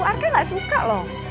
arka gak suka loh